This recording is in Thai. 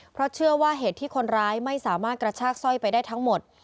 เพราะเชื่อว่าเหตุที่คนร้ายไม่สามารถกระชากสร้อยไปได้ทั้งหมด